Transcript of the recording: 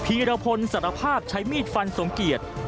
ผีระผลสัตวภาพใช้มีดฟันสมเกียจ